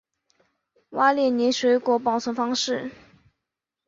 瓦列涅的水果保存方式。